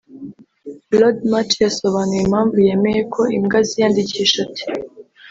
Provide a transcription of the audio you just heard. Lord March yasobanuye impamvu yemeye ko imbwa ziyandikisha ati